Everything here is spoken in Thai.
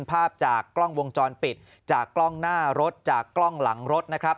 ภาพจากกล้องวงจรปิดจากกล้องหน้ารถจากกล้องหลังรถนะครับ